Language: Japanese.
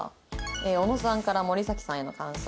小野さんから森咲さんへの感想。